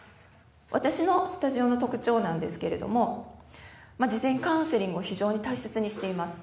私のスタジオの特徴なんですけれども事前カウンセリングを非常に大切にしています